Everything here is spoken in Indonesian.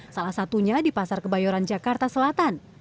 salah satunya di pasar kebayoran jakarta selatan